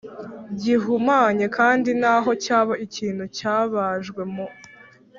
gihumanye kandi naho cyaba ikintu cyabajwe mu